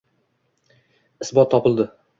Isbot topildi